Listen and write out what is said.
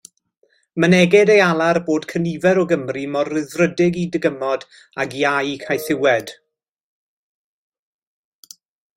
Myneged ei alar bod cynifer o Gymry mor rhyddfrydig i ddygymod ag iau caethiwed.